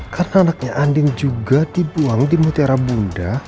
karena anaknya andin juga dibuang di mutiara bunda